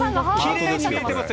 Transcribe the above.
きれいに見えています。